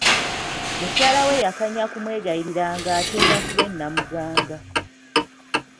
Mukyala we yakanya kumwegayirira ng'atema ku lw'e Namuganga.